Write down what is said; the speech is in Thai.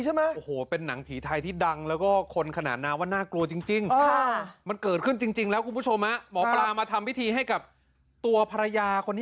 ใช่มั้ย